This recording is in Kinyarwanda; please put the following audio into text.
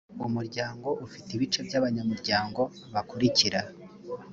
umuryango ufite ibice by’abanyamuryango bakurikira